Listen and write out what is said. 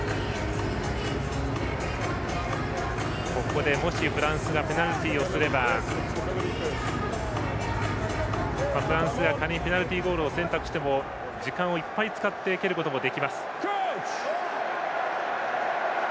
ここで、もしフランスがペナルティーをすればフランスが仮にペナルティーゴールを選択しても時間をいっぱい使って蹴ることもできます。